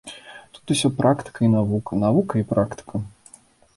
Тут усё практыка і навука, навука і практыка.